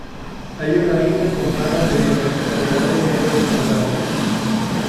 Hay una viña con parras de diferentes variedades y árboles frutales.